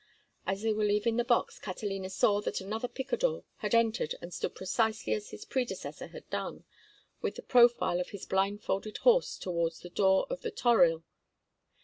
As they were leaving the box Catalina saw that another picador had entered and stood precisely as his predecessor had done, with the profile of his blindfolded horse towards the door of the toril.